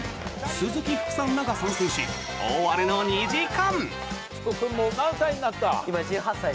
鈴木福さんらが参戦し大荒れの２時間。